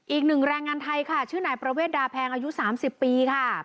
อีกหนึ่งแรงงานไทยค่ะชื่อนายประเวทดาแพงอายุ๓๐ปีค่ะ